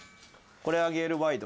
コレアゲールワイド？